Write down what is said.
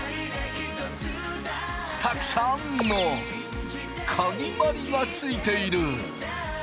たくさんのかぎ針がついている。